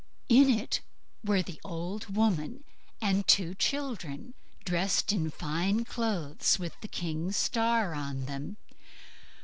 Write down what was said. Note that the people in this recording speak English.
In it were the old woman and two children, dressed in fine clothes, with the king's star on them.